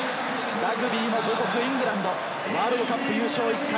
ラグビーの母国・イングランド、ワールドカップ優勝１回。